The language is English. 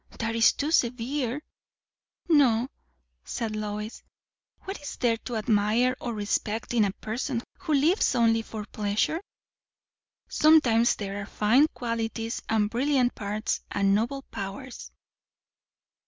"That is too severe." "No," said Lois. "What is there to admire or respect in a person who lives only for pleasure?" "Sometimes there are fine qualities, and brilliant parts, and noble powers."